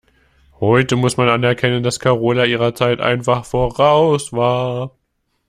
Heute muss man anerkennen, dass Karola ihrer Zeit einfach voraus war.